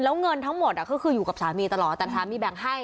แล้วเงินทั้งหมดก็คืออยู่กับสามีตลอดแต่สามีแบ่งให้